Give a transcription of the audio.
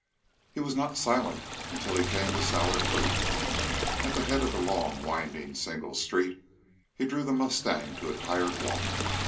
He was not silent until he came to Sour Creek. At the head of the long, winding, single street he drew the mustang to a tired walk.